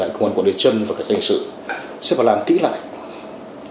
công an quản lý chân và các tình sự sẽ phải làm kỹ lại